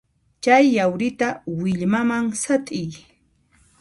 Chay yawrita willmaman sat'iy.